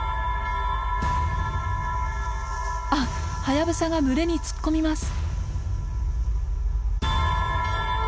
あっハヤブサが群れに突っ込みます。